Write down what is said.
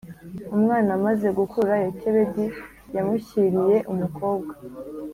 Umwana amaze gukura Yokebedi yamushyiriye umukobwa